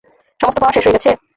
সমস্ত পাওয়ার শেষ হয়ে গেছে!